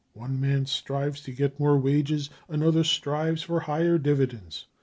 One man strives to get more wages, another strives for higher dividends.